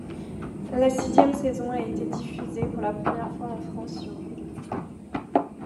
La sixième saison a été diffusée pour la première fois en France sur Gulli.